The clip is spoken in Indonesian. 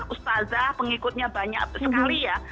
ustazah pengikutnya banyak sekali ya